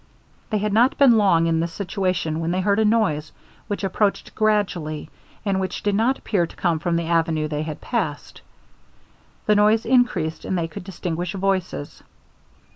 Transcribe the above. They had not been long in this situation, when they heard a noise which approached gradually, and which did not appear to come from the avenue they had passed. The noise increased, and they could distinguish voices.